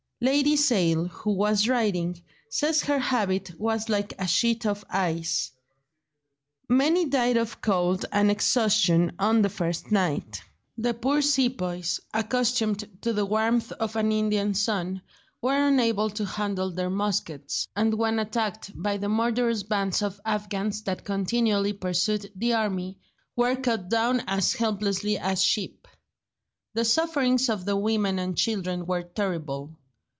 Lady Sale, who was riding, says her habit was like a sheet of ice. Many died of cold and exhaustion on the first night. The poor Sepoys, accustomed to the warmth of an Indian sun, were unable to handle their muskets, and when attacked by the murderous bands of Afghans that continually pursued the army, were cut down as helplessly as sheep. The sufferings of the women and children were terrible.